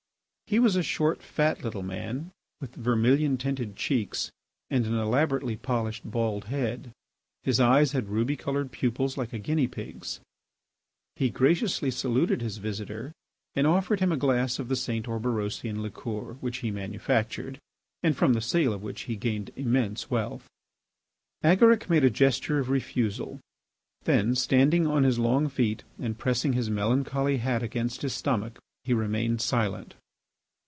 He was a short, fat, little man, with vermilion tinted cheeks and an elaborately polished bald head. His eyes had ruby coloured pupils like a guinea pig's. He graciously saluted his visitor and offered him a glass of the St. Orberosian liqueur, which he manufactured, and from the sale of which he gained immense wealth. Agaric made a gesture of refusal. Then, standing on his long feet and pressing his melancholy hat against his stomach, he remained silent.